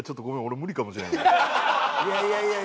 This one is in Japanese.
いやいやいやいや。